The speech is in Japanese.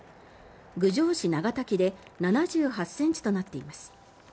郡上市長滝で７８ｃｍとなっています。